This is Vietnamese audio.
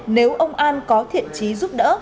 nếu ông an có thiện trí giúp đỡ